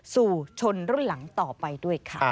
สู่ชนรุ่นหลังต่อไปด้วยค่ะ